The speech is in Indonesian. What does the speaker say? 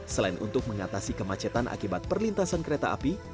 selain untuk mengatasi kemacetan akibat perlintasan kereta api